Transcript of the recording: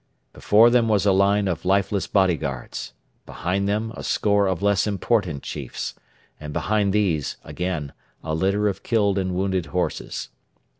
Before them was a line of lifeless bodyguards; behind them a score of less important chiefs; and behind these, again, a litter of killed and wounded horses.